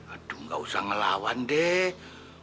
aduh gak usah ngelawan deh